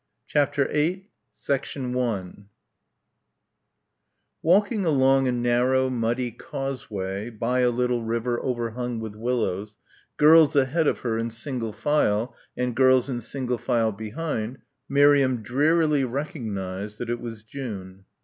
CHAPTER VIII 1 Walking along a narrow muddy causeway by a little river overhung with willows, girls ahead of her in single file and girls in single file behind, Miriam drearily recognised that it was June.